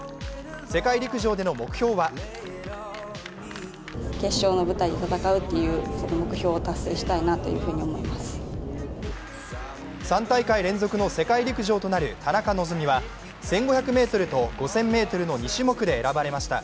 世界陸上での目標は３大会連続の世界陸上となる田中希実は１５００ｍと５０００ｍの２種目で選ばれました。